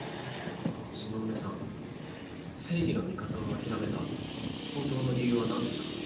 東雲さん正義の味方を諦めた本当の理由はなんですか？